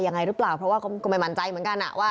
ยังไงหรือเปล่าเพราะว่าก็ไม่มั่นใจเหมือนกันว่า